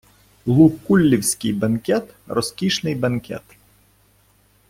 Лукуллівський бенкет - розкішний бенкет